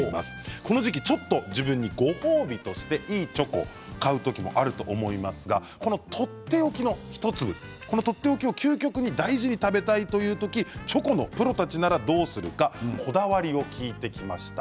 この時期ちょっと自分にご褒美として、いいチョコを買う時もあると思いますがこのとっておきの１粒とっておきを究極に大事に食べたいという時チョコのプロたちならどうするかこだわりを聞いてきました。